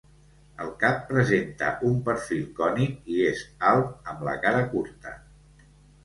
El cap presenta un perfil cònic i és alt amb la cara curta.